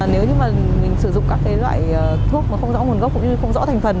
nếu như mà mình sử dụng các loại thuốc mà không rõ nguồn gốc cũng như không rõ thành phần